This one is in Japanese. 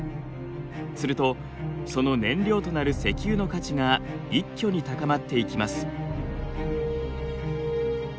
するとその燃料となる石油の価値が一挙に高まっていきます。